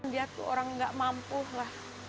dia tuh orang gak mampu lah